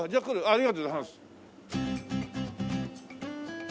ありがとうございます。